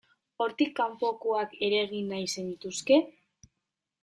Hortik kanpokoak ere egin nahi zenituzke?